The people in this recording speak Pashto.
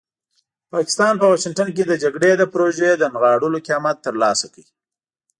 پاکستان په واشنګټن کې د جګړې د پروژې د نغاړلو قیمت ترلاسه کړ.